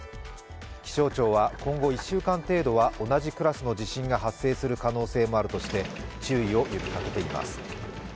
気象庁は今後１週間程度は同じクラスの地震が発生する可能性もあるとして注意を呼びかけています。